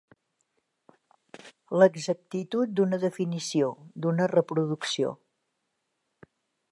L'exactitud d'una definició, d'una reproducció.